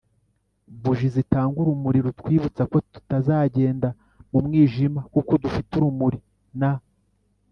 -bougies zitanga urumuri rutwibutsa ko tutazagenda mu mwijima kuko dufite urumuri n